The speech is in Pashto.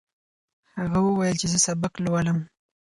هغه وویل چې زه سبق لولم.